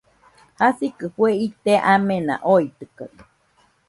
Jasikɨ fue ite amena oitɨkaɨ